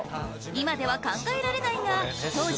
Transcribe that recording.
今では考えられないが当時は